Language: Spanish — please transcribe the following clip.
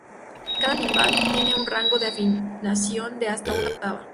Cada timbal tiene un rango de afinación de hasta una octava.